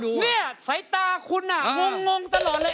สุดยอดไม่ธรรมดาคุณจะหันหน้าเข้าน้ำตกหรือคุณจะหันหลังครับ